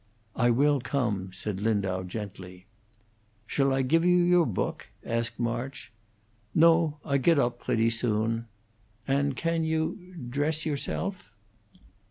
"I will come," said Lindau, gently. "Shall I give you your book?" asked March. "No; I gidt oap bretty soon." "And and can you dress yourself?"